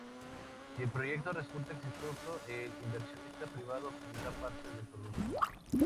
Si el proyecto resulta exitoso, el inversionista privado obtendría parte del producto.